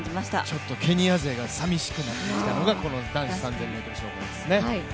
ちょっとケニア勢がさみしくなったのが、男子３０００ｍ障害です。